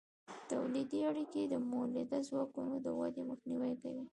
تولیدي اړیکې د مؤلده ځواکونو د ودې مخنیوی کوي.